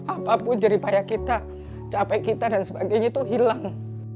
apapun jeripaya kita capek kita dan sebagainya itu hilang